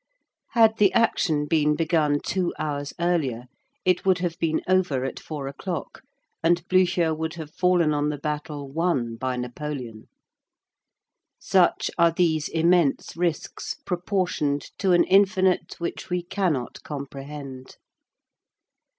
Had the action been begun two hours earlier, it would have been over at four o'clock, and Blücher would have fallen on the battle won by Napoleon. Such are these immense risks proportioned to an infinite which we cannot comprehend.